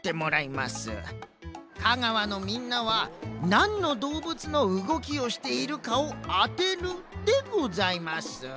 香川のみんなはなんのどうぶつのうごきをしているかをあてるでございます。